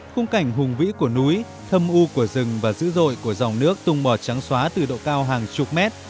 khung cảnh hùng vĩ của núi thâm u của rừng và dữ dội của dòng nước tung bò trắng xóa từ độ cao hàng chục mét